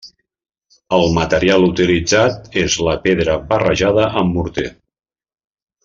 El material utilitzat és la pedra barrejada amb morter.